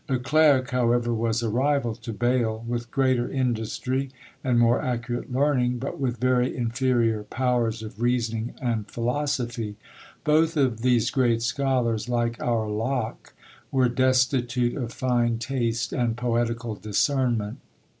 Le Clerc, however, was a rival to Bayle; with greater industry and more accurate learning, but with very inferior powers of reasoning and philosophy. Both of these great scholars, like our Locke, were destitute of fine taste and poetical discernment.